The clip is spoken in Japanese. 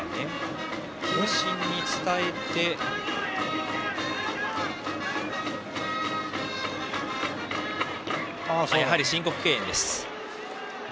球審に伝えて申告敬遠です。